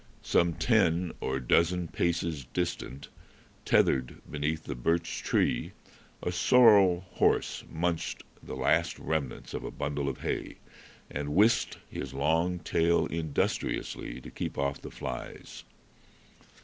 Some ten or a dozen paces distant, tethered beneath the birch tree, a sorrel horse munched the last remnants of a bundle of hay, and whisked his long tail industriously to keep off the flies.